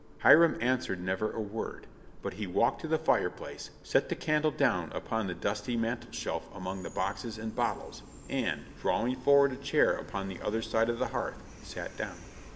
Hiram answered never a word, but he walked to the fireplace, set the candle down upon the dusty mantelshelf among the boxes and bottles, and, drawing forward a chair upon the other side of the hearth, sat down.